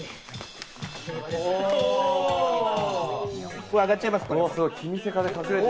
これ上がっちゃいます、これ。